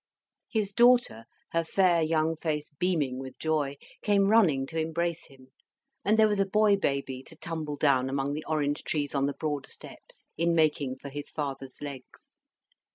His daughter, her fair young face beaming with joy, came running to embrace him; and there was a boy baby to tumble down among the orange trees on the broad steps, in making for his father's legs.